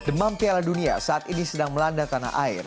demam piala dunia saat ini sedang melanda tanah air